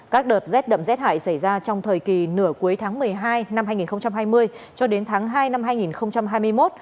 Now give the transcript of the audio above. các đợt rét đậm rét hại xảy ra trong thời kỳ nửa cuối tháng một mươi hai năm hai nghìn hai mươi cho đến tháng hai năm hai nghìn hai mươi một